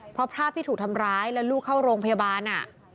เพราะภาพที่ถูกทำร้ายแล้วลูกเข้าโรงพยาบาล